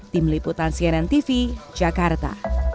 tim liputan cnn tv jakarta